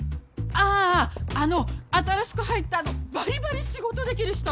ああの新しく入ったバリバリ仕事できる人。